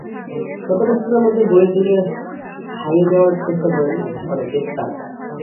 শত ব্যস্ততার মধ্যেই বইয়ের দুনিয়ায় হারিয়ে যাওয়ার চেষ্টা করেন অনেক তারকা।